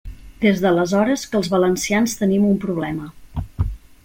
Des d'aleshores que els valencians tenim un problema.